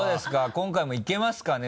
今回もいけますかね？